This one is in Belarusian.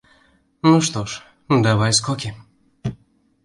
Ну што ж, давай скокі!